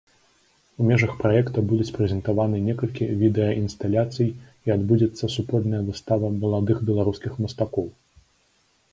У межах праекта будуць прэзентаваны некалькі відэаінсталяцый і адбудзецца супольная выстава маладых беларускіх мастакоў.